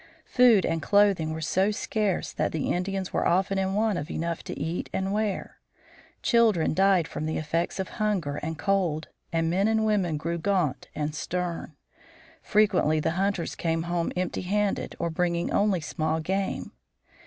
Food and clothing were so scarce that the Indians were often in want of enough to eat and wear. Children died from the effects of hunger and cold, and men and women grew gaunt and stern. Frequently the hunters came home empty handed or bringing only small game.